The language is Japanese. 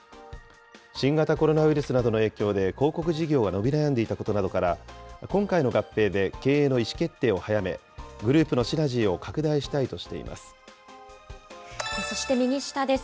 新型コロナウイルスなどの影響で、広告事業が伸び悩んでいたことなどから、今回の合併で経営の意思決定を早め、グループのシナジーを拡大しそして右下です。